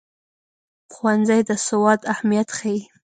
ښوونځی د سواد اهمیت ښيي.